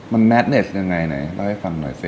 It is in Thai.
มันแมทเนสยังไงเด้อให้ฟังหน่อยซิ